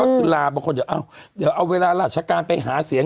ก็คือลาบางคนเดี๋ยวเอาเวลาราชการไปหาเสียง